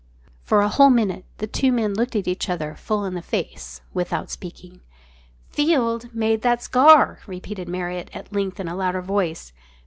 _" For a whole minute the two men looked each other full in the face without speaking. "Field made that scar!" repeated Marriott at length in a louder voice.